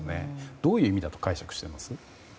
どういう意味だと解釈してます？